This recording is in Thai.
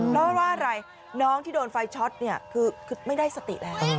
เพราะว่าอะไรน้องที่โดนไฟช็อตเนี่ยคือไม่ได้สติแล้ว